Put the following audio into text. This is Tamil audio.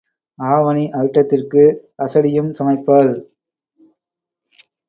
ஆவணி அவிட்டத்திற்கு அசடியும் சமைப்பாள்.